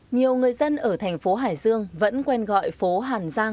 nhiều người dân ở thành phố hải dương vẫn quen gọi phố hàn giang